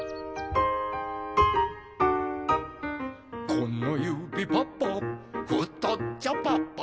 「このゆびパパふとっちょパパ」